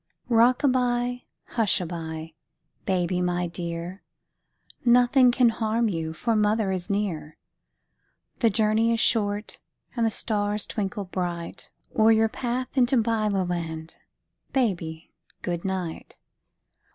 Rock a by, hush a by, baby, my dear, Nothing can harm you, for mother is near. The journey is short, and the stars twinkle bright O'er your path into Byloland, baby, good night.